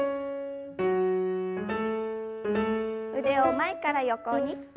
腕を前から横に。